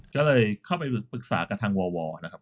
ก็เลยเข้าไปปรึกษากับทางวนะครับ